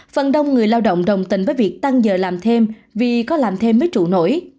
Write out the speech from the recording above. phần đông người lao động đồng tình với việc tăng giờ làm thêm vì có làm thêm mới trụ nổi